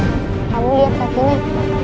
kamu lihat sakinya